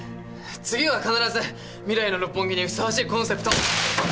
次は必ず未来の六本木にふさわしいコンセプトを。